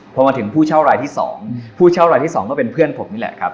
พอมาถึงผู้เช่ารายที่๒ผู้เช่ารายที่๒ก็เป็นเพื่อนผมนี่แหละครับ